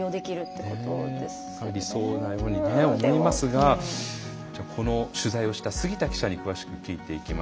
それが理想なように思いますがこの取材をした杉田記者に詳しく聞いていきます。